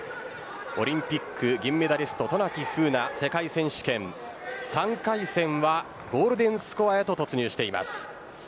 オリンピック銀メダリスト渡名喜風南、世界選手権３回戦はゴールデンスコアへと突入しています。